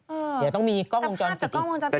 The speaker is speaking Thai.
เออสาธารณ์ที่กล้องวงจอดติดไง